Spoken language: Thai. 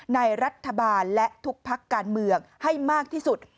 ในรัฐบาลและทุกพักการเมืองให้มากที่สุด